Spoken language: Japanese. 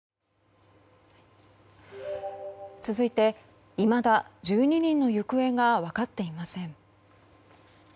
続いて、いまだ１２人の行方が分かっていません。